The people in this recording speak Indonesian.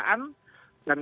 dan pengontrol kekuasaan